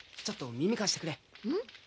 ちょっと耳貸してくれん？